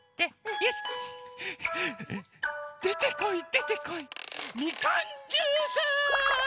よし！でてこいでてこいみかんジュース！